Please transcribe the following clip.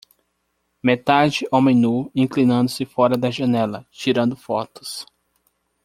Metade homem nu, inclinando-se fora da janela, tirando fotos.